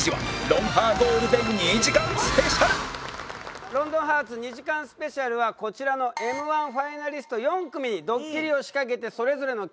『ロンドンハーツ』２時間スペシャルはこちらのＭ−１ファイナリスト４組にドッキリを仕掛けてそれぞれのキャラクターをですね